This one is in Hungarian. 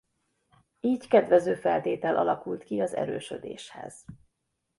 Így kedvező feltétel alakult ki az erősödéshez.